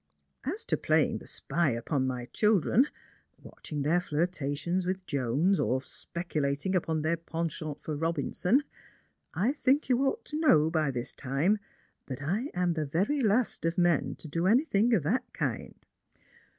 " As to playing the spy upon my children — watching their flirtations with Jones, or speculating upon their penchant for Robinson, I think you ought to know by this time that I am the very last of men to do anything of that kind."